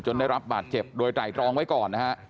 ถึงได้รับเจ็บโดยไศกรรมไปก่อน